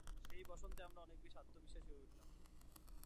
সেই বসন্তে আমরা অনেক বেশি আত্মবিশ্বাসী হয়ে উঠলাম।